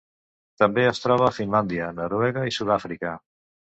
També es troba a Finlàndia, Noruega i Sud-àfrica.